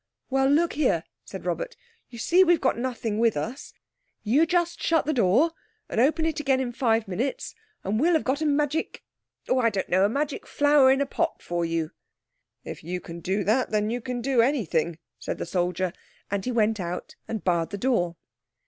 "Well, look here," said Robert. "You see we've got nothing with us? You just shut the door, and open it again in five minutes, and we'll have got a magic—oh, I don't know—a magic flower in a pot for you." "If you can do that you can do anything," said the soldier, and he went out and barred the door.